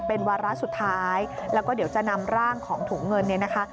เป็นวาระสุดท้ายแล้วก็เดี๋ยวจะนำร่างของถุงเงินเนี่ยนะคะ